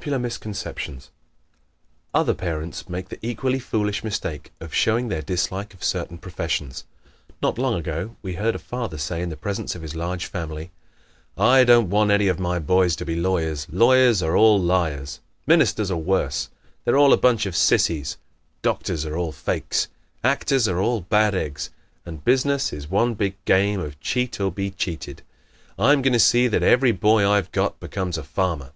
Popular Misconceptions ¶ Other parents make the equally foolish mistake of showing their dislike of certain professions. Not long ago we heard a father say in the presence of his large family, "I don't want any of my boys to be lawyers. Lawyers are all liars. Ministers are worse; they're all a bunch of Sissies. Doctors are all fakes. Actors are all bad eggs; and business is one big game of cheat or be cheated. I'm going to see that every boy I've got becomes a farmer."